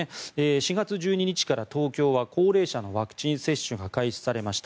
４月１２日から東京は高齢者のワクチン接種が開始されました。